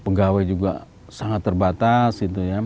penggawai juga sangat terbatas